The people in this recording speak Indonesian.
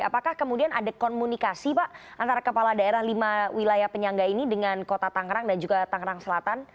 apakah kemudian ada komunikasi pak antara kepala daerah lima wilayah penyangga ini dengan kota tangerang dan juga tangerang selatan